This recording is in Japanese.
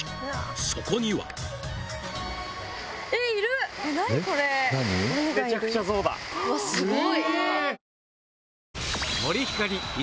そこにはうわすごい！